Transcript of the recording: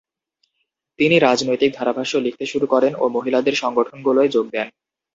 তিনি রাজনৈতিক ধারাভাষ্য লিখতে শুরু করেন ও মহিলাদের সংগঠনগুলোয় যোগ দেন।